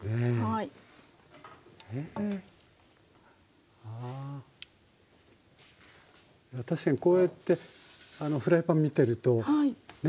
いや確かにこうやってフライパン見てるとね。